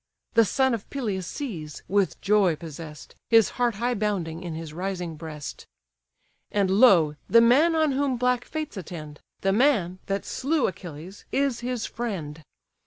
The son of Peleus sees, with joy possess'd, His heart high bounding in his rising breast. "And, lo! the man on whom black fates attend; The man, that slew Achilles, is his friend!